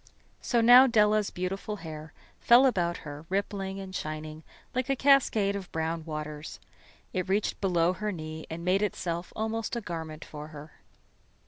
So now Della's beautiful hair fell about her, rippling and shining like a cascade of brown waters. It reached below her knee and made itself almost a garment for her.